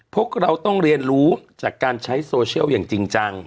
พวกเราต้องเรียนรู้จากการใช้โซเชียลอย่างจริงจัง